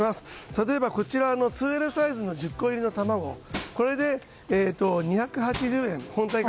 例えばこちらの２Ｌサイズの１０個入りこれで本体価格２８０円。